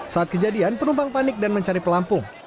saat kejadian penumpang panik dan mencari pelampung